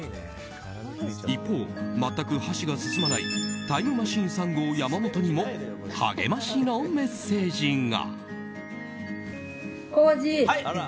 一方、全く箸が進まないタイムマシーン３号、山本にも励ましのメッセージが！